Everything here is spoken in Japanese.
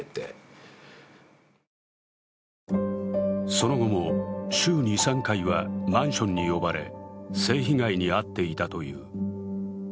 その後も週２３回はマンションに呼ばれ、性被害に遭っていたという。